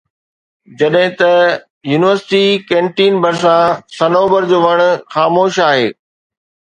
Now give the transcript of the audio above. جڏهن ته university canteen ڀرسان صنوبر جو وڻ خاموش آهي